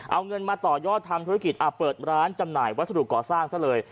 เอาเงินมาต่อยอดทำธุรกิจเปิดร้านจำหน่ายวัสดุก่อสร้างซะเลย